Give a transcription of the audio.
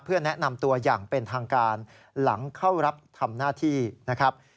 เพื่อแนะนำตัวอย่างเป็นทางการหลังเข้ารับทำหน้าที่นะครับ